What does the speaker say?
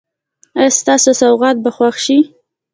ایا ستاسو سوغات به خوښ شي؟